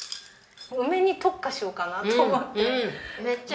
梅に特化しようかなと思って。